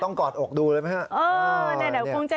ต้องกอดอกดูเลยไหมฮะ